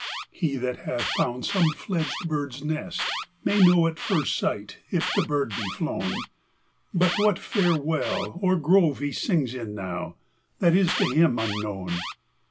He that hath found some fledged bird's nest ma}' know, At first sight, if the bird be flown; But what fair well or grove he sings in now, That is to him unknown.